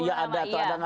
ya ada atau tidak ada